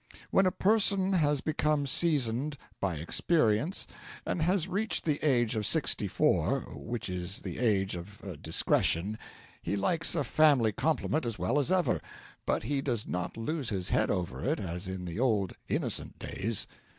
When a person has become seasoned by experience and has reached the age of sixty four, which is the age of discretion, he likes a family compliment as well as ever, but he does not lose his head over it as in the old innocent days.